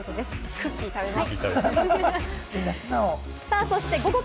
クッキー食べます。